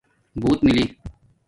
بݸت ملی